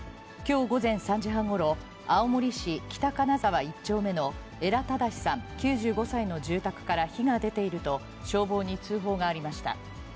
きょう午前３時半ごろ、青森市北金沢１丁目の江良忠さん９５歳の住宅から火が出ていると、消防に通報がありました。